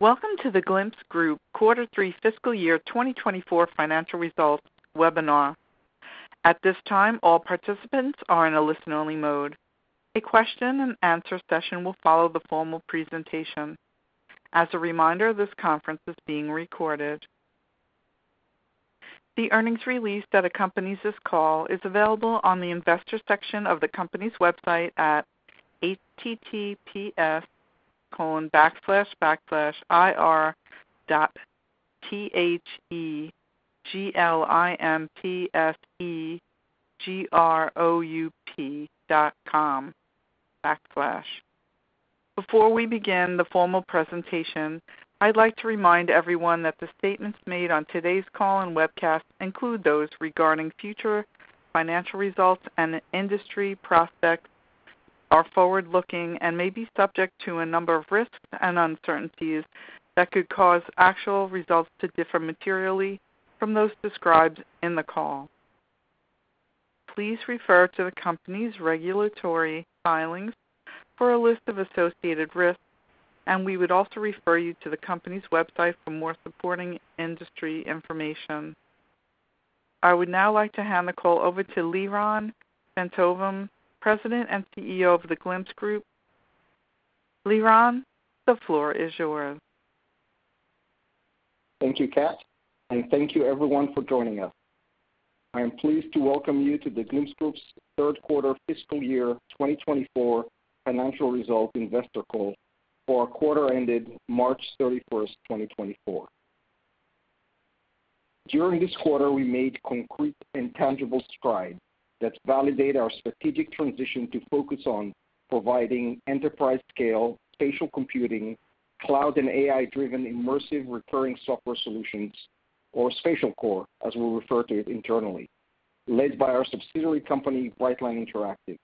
Welcome to The Glimpse Group Quarter Three Fiscal Year 2024 Financial Results Webinar. At this time, all participants are in a listen-only mode. A question and answer session will follow the formal presentation. As a reminder, this conference is being recorded. The earnings release that accompanies this call is available on the Investor section of the company's website at https://ir.theglimpsegroup.com/. Before we begin the formal presentation, I'd like to remind everyone that the statements made on today's call and webcast, include those regarding future financial results and industry prospects, are forward-looking and may be subject to a number of risks and uncertainties that could cause actual results to differ materially from those described in the call. Please refer to the company's regulatory filings for a list of associated risks, and we would also refer you to the company's website for more supporting industry information. I would now like to hand the call over to Lyron Bentovim, President and CEO of The Glimpse Group. Lyron, the floor is yours. Thank you, Kat, and thank you everyone for joining us. I am pleased to welcome you to The Glimpse Group's third quarter fiscal year 2024 financial results investor call for our quarter ended March 31st, 2024. During this quarter, we made concrete and tangible strides that validate our strategic transition to focus on providing enterprise-scale, spatial computing, cloud and AI-driven immersive recurring software solutions, or SpatialCore, as we refer to it internally, led by our subsidiary company, Brightline Interactive.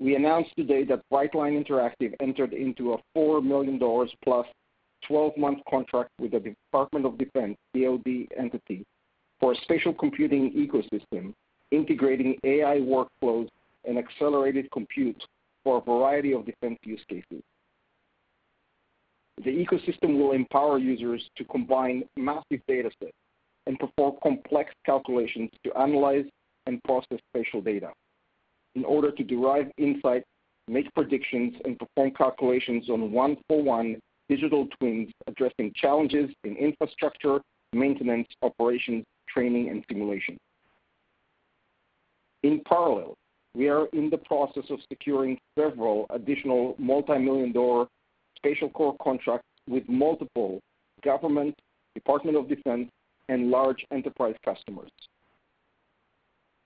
We announced today that Brightline Interactive entered into a $4 million+ 12-month contract with the Department of Defense, DoD entity, for a spatial computing ecosystem, integrating AI workflows and accelerated compute for a variety of defense use cases. The ecosystem will empower users to combine massive datasets and perform complex calculations to analyze and process spatial data in order to derive insights, make predictions, and perform calculations on one-for-one digital twins, addressing challenges in infrastructure, maintenance, operations, training, and simulation. In parallel, we are in the process of securing several additional multimillion-dollar SpatialCore contracts with multiple government, Department of Defense, and large enterprise customers.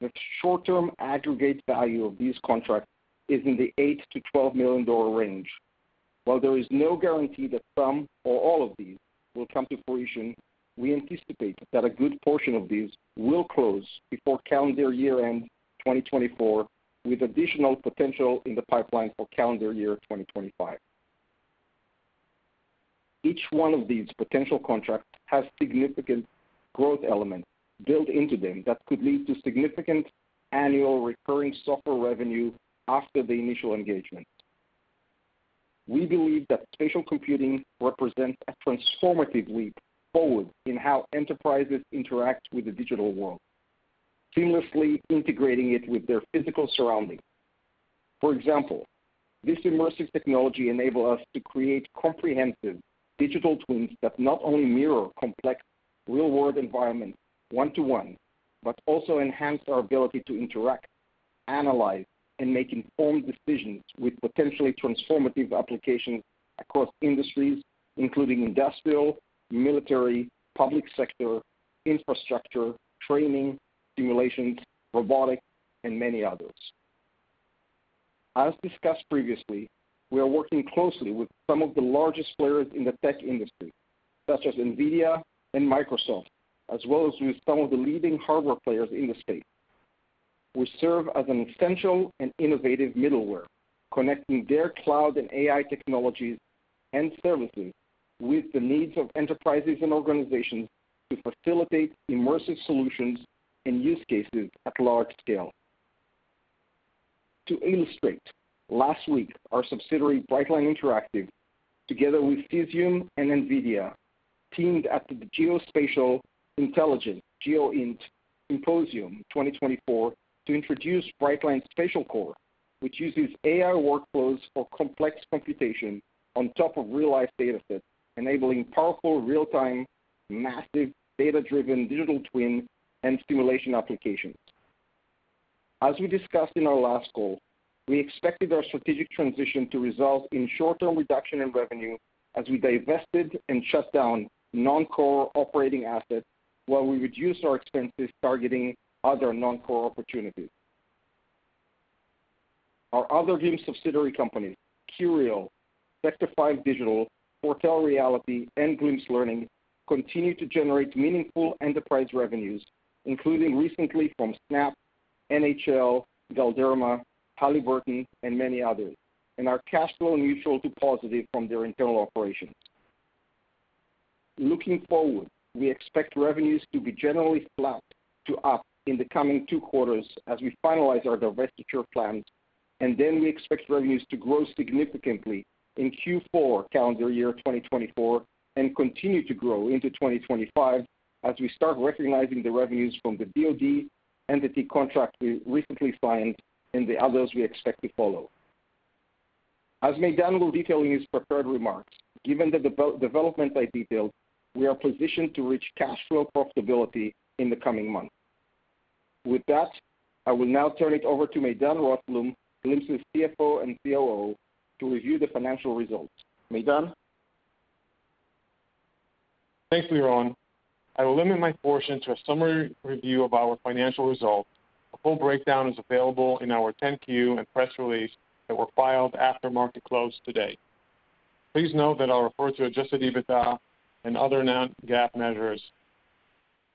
The short-term aggregate value of these contracts is in the $8 million-$12 million range. While there is no guarantee that some or all of these will come to fruition, we anticipate that a good portion of these will close before calendar year-end 2024, with additional potential in the pipeline for calendar year 2025. Each one of these potential contracts has significant growth elements built into them that could lead to significant annual recurring software revenue after the initial engagement. We believe that spatial computing represents a transformative leap forward in how enterprises interact with the digital world, seamlessly integrating it with their physical surroundings. For example, this immersive technology enable us to create comprehensive digital twins that not only mirror complex real-world environments one to one, but also enhance our ability to interact, analyze, and make informed decisions with potentially transformative applications across industries, including industrial, military, public sector, infrastructure, training, simulations, robotics, and many others. As discussed previously, we are working closely with some of the largest players in the tech industry, such as NVIDIA and Microsoft, as well as with some of the leading hardware players in the space. We serve as an essential and innovative middleware, connecting their cloud and AI technologies and services with the needs of enterprises and organizations to facilitate immersive solutions and use cases at large scale. To illustrate, last week, our subsidiary, Brightline Interactive, together with Cesium and NVIDIA, teamed up with the Geospatial Intelligence, GEOINT, Symposium 2024 to introduce Brightline SpatialCore, which uses AI workflows for complex computation on top of real-life datasets, enabling powerful, real-time, massive, data-driven digital twin and simulation applications. As we discussed in our last call, we expected our strategic transition to result in short-term reduction in revenue as we divested and shut down non-core operating assets, while we reduced our expenses targeting other non-core opportunities. Our other subsidiary companies, QReal, Sector 5 Digital, ForeTell Reality, and Glimpse Learning, continue to generate meaningful enterprise revenues, including recently from Snap, NHL, Galderma, Halliburton, and many others, and are cash flow neutral to positive from their internal operations. Looking forward, we expect revenues to be generally flat to up in the coming two quarters as we finalize our divestiture plans, and then we expect revenues to grow significantly in Q4, calendar year 2024, and continue to grow into 2025 as we start recognizing the revenues from the DoD entity contract we recently signed and the others we expect to follow. As Maydan will detail in his prepared remarks, given the development I detailed, we are positioned to reach cash flow profitability in the coming months. With that, I will now turn it over to Maydan Rothblum, Glimpse's CFO and COO, to review the financial results. Maydan? Thanks, Lyron. I will limit my portion to a summary review of our financial results. A full breakdown is available in our 10-Q and press release that were filed after market close today. Please note that I'll refer to adjusted EBITDA and other non-GAAP measures.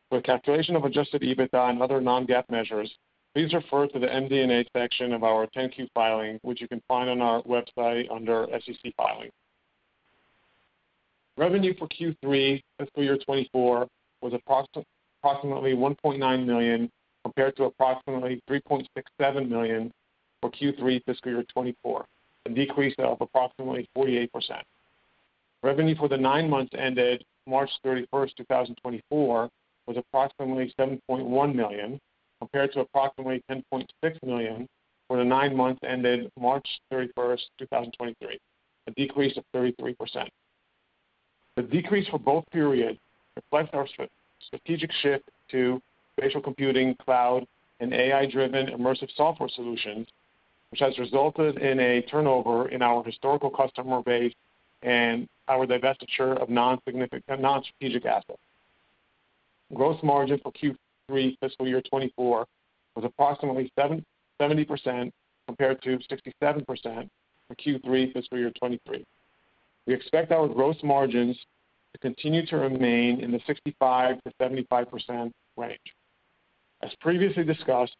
For calculation of adjusted EBITDA and other non-GAAP measures, please refer to the MD&A section of our 10-Q filing, which you can find on our website under SEC Filings. Revenue for Q3 fiscal year 2024 was approximately $1.9 million, compared to approximately $3.67 million for Q3 fiscal year 2024, a decrease of approximately 48%. Revenue for the nine months ended March 31st, 2024, was approximately $7.1 million, compared to approximately $10.6 million for the nine months ended March 31st, 2023, a decrease of 33%. The decrease for both periods reflects our strategic shift to spatial computing, cloud, and AI-driven immersive software solutions, which has resulted in a turnover in our historical customer base and our divestiture of non-strategic assets. Gross margin for Q3 fiscal year 2024 was approximately 70% compared to 67% for Q3 fiscal year 2023. We expect our gross margins to continue to remain in the 65%-75% range. As previously discussed,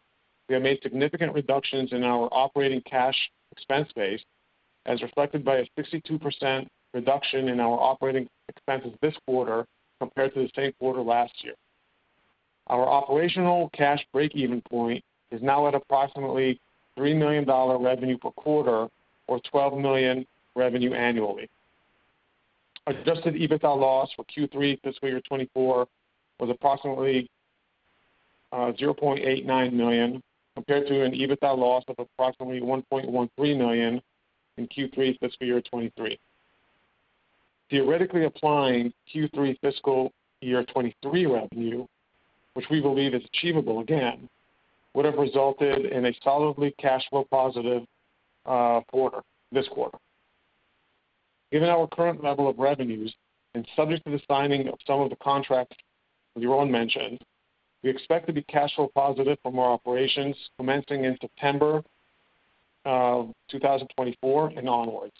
we have made significant reductions in our operating cash expense base, as reflected by a 62% reduction in our operating expenses this quarter compared to the same quarter last year. Our operational cash breakeven point is now at approximately $3 million revenue per quarter or $12 million revenue annually. Adjusted EBITDA loss for Q3 fiscal year 2024 was approximately $0.89 million, compared to an EBITDA loss of approximately $1.13 million in Q3 fiscal year 2023. Theoretically applying Q3 fiscal year 2023 revenue, which we believe is achievable again, would have resulted in a solidly cash flow positive quarter, this quarter. Given our current level of revenues, and subject to the signing of some of the contracts Lyron mentioned, we expect to be cash flow positive from our operations commencing in September 2024 and onwards.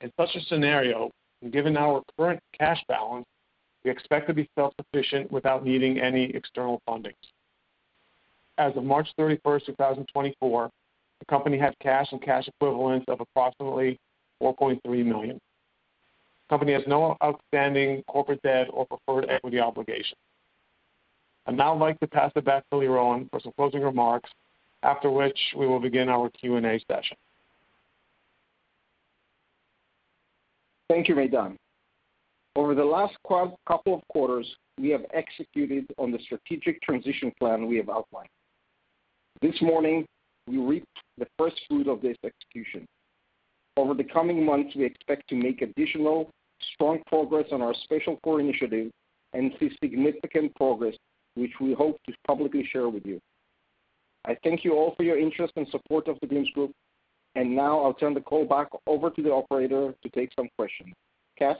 In such a scenario, and given our current cash balance, we expect to be self-sufficient without needing any external funding. As of March 31st, 2024, the company had cash and cash equivalents of approximately $4.3 million. The company has no outstanding corporate debt or preferred equity obligation. I'd now like to pass it back to Lyron for some closing remarks, after which we will begin our Q&A session. Thank you, Maydan. Over the last couple of quarters, we have executed on the strategic transition plan we have outlined. This morning, we reaped the first fruit of this execution. Over the coming months, we expect to make additional strong progress on our spatial core initiative and see significant progress, which we hope to publicly share with you. I thank you all for your interest and support of the Glimpse Group, and now I'll turn the call back over to the operator to take some questions. Kat?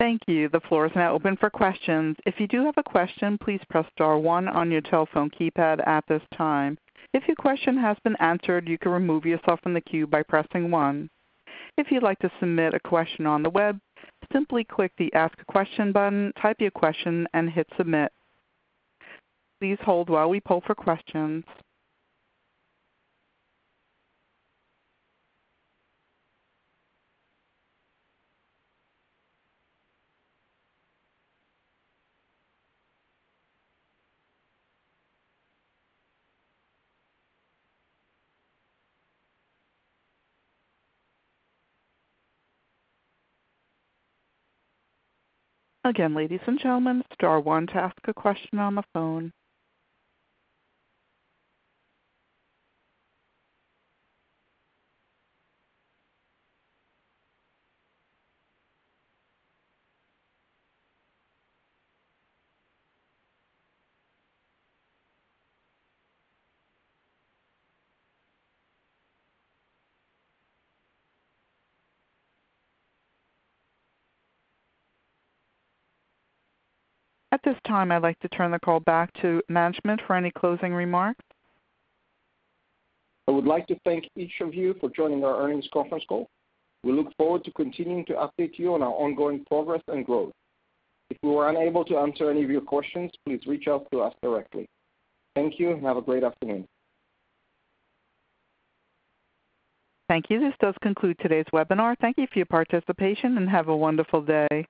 Thank you. The floor is now open for questions. If you do have a question, please press star one on your telephone keypad at this time. If your question has been answered, you can remove yourself from the queue by pressing one. If you'd like to submit a question on the web, simply click the Ask a Question button, type your question, and hit Submit. Please hold while we poll for questions. Again, ladies and gentlemen, star one to ask a question on the phone. At this time, I'd like to turn the call back to management for any closing remarks. I would like to thank each of you for joining our earnings conference call. We look forward to continuing to update you on our ongoing progress and growth. If we were unable to answer any of your questions, please reach out to us directly. Thank you, and have a great afternoon. Thank you. This does conclude today's webinar. Thank you for your participation, and have a wonderful day.